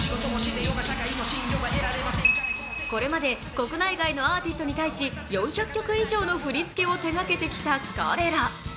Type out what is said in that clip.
これまで国内外のアーティストに対し４００曲以上の振り付けを手がけてきた彼ら。